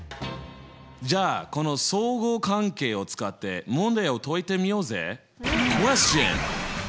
じゃあこの相互関係を使って問題を解いてみようぜ！